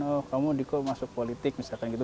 oh kamu diko masuk politik misalkan gitu